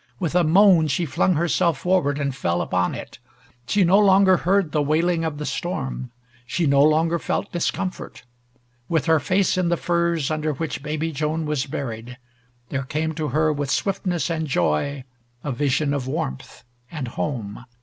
With a moan she flung herself forward, and fell upon it. She no longer heard the wailing of the storm. She no longer felt discomfort. With her face in the furs under which baby Joan was buried, there came to her with swiftness and joy a vision of warmth and home.